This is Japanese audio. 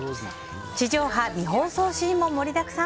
地上波未放送シーンも盛りだくさん。